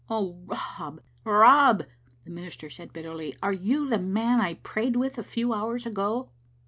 •*Oh, Rob, Rob!" the minister said bitterly, "are you the man I prayed with a few hours ago?"